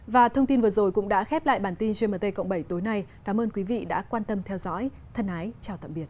và thông tin vừa rồi cũng đã khép lại bản tin gmt cộng bảy tối nay cảm ơn quý vị đã quan tâm theo dõi thân ái chào tạm biệt